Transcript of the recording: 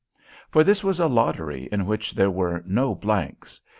For this was a lottery in which there were no blanks.